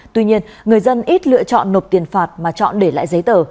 tuy nhiên người dân ít lựa chọn nộp tiền phạt mà chọn để lại giấy tờ